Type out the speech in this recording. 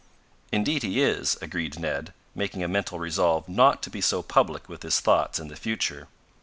"Indeed he is," agreed Ned, making a mental resolve not to be so public with his thoughts in the future.